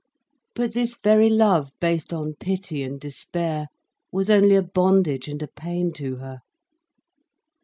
But this very love, based on pity and despair, was only a bondage and a pain to her.